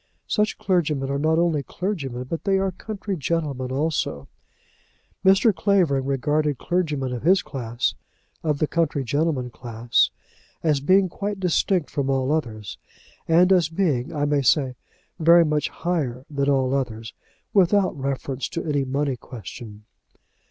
Such clergymen are not only clergymen, but they are country gentlemen also. Mr. Clavering regarded clergymen of his class, of the country gentlemen class, as being quite distinct from all others, and as being, I may say, very much higher than all others, without reference to any money question.